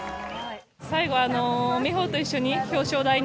最後、生萌と一緒に表彰台に